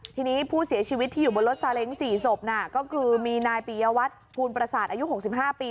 ทีนี้ผู้เสียชีวิตที่อยู่บนรถซาเล้ง๔ศพน่ะก็คือมีนายปียวัตรภูลประสาทอายุ๖๕ปี